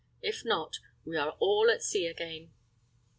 If not, we are all at sea again."